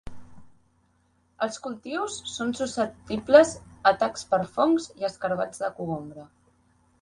Els cultius són susceptibles a atacs per fongs, i escarabats de cogombre.